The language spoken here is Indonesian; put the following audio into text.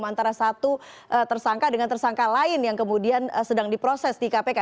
antara satu tersangka dengan tersangka lain yang kemudian sedang diproses di kpk